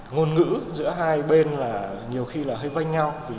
ngôn ngữ giữa hai bên nhiều khi hơi vay nhau